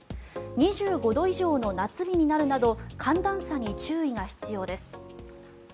２５度以上の夏日になるなど寒暖差に注意が必要です。